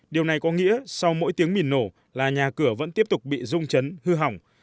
điều này có nghĩa sau mỗi tiếng mìn nổ là nhà cửa vẫn tiếp tục bị rung chấn hư hỏng